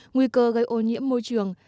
nguy cơ gây ô nhiễm môi trường